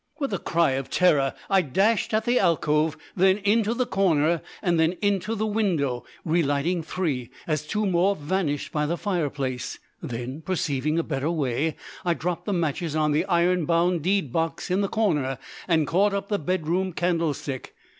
With a cry of terror, I dashed at the alcove, then into the corner, and then into the window, relighting three, as two more vanished by the fireplace; then, perceiving a better way, I dropped the matches on the iron bound deed box in the corner, and caught up the bedroom candlestick.